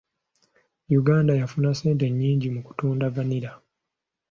Uganda yafuna ssente nnyingi mu kutunda vanilla.